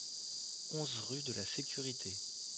onze rue de la Sécurité